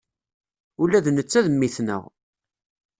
Ula d netta d mmi-tneɣ.